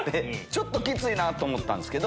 ちょっとキツいなと思ったんですけど